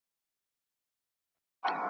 د خپل استاد ارواښاد محمد صدیق روهي .